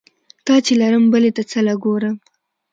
تا چې لرم بلې ته څه له ګورم؟